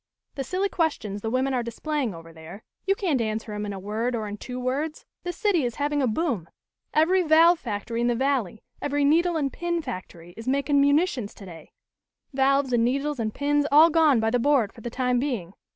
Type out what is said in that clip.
"The silly questions the women are displaying over there you can't answer 'em in a word or in two words. This city is having a boom; every valve factory in the valley, every needle and pin factory, is makin' munitions today valves and needles and pins all gone by the board for the time being.